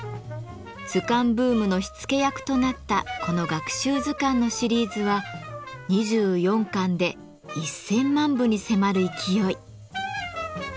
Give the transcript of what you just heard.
図鑑ブームの火付け役となったこの学習図鑑のシリーズは２４巻で１，０００万部に迫る勢い。